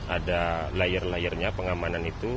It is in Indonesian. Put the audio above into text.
ada layar layernya pengamanan itu